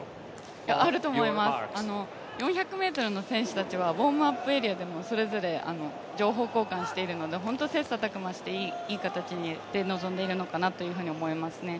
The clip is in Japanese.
あると思います、４００ｍの選手たちはウォームアップエリアでもそれぞれ情報交換しているので本当に切磋琢磨していい形で臨んでいるのかなと思います。